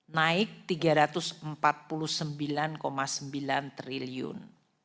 naik rp tiga ratus empat puluh sembilan sembilan triliun